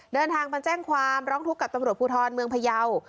เดินทางมาแจ้งความร้องทุกข์กับตำรวจภูทรเมืองพยาว